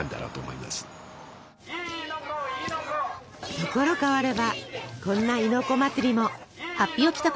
ところ変わればこんな「亥の子祭り」も。